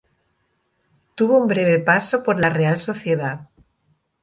Tuvo un breve paso por la Real Sociedad.